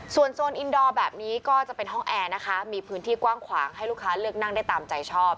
ส่วนโซนอินดอร์แบบนี้ก็จะเป็นห้องแอร์นะคะมีพื้นที่กว้างขวางให้ลูกค้าเลือกนั่งได้ตามใจชอบ